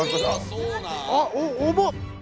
あっ重っ！